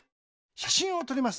しゃしんをとります。